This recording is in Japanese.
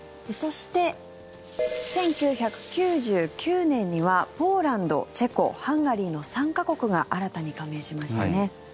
そして、１９９９年にはポーランド、チェコハンガリーの３か国が新たに加盟しましたね。